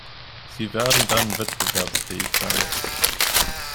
Sie werden dann wettbewerbsfähig sein.